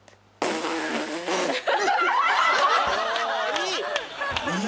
いい！